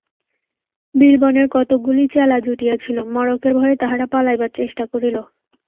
বিলবনের কতকগুলি চেলা জুটিয়াছিল, মড়কের ভয়ে তাহারা পালাইবার চেষ্টা করিল।